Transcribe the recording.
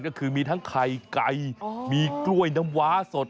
ก็คือมีทั้งไข่ไก่มีกล้วยน้ำว้าสด